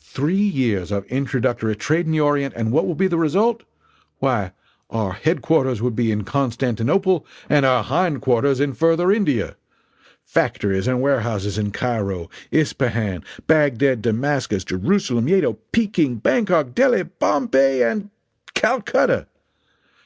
Three years of introductory trade in the orient and what will be the result? Why, our headquarters would be in Constantinople and our hindquarters in Further India! Factories and warehouses in Cairo, Ispahan, Bagdad, Damascus, Jerusalem, Yedo, Peking, Bangkok, Delhi, Bombay and Calcutta!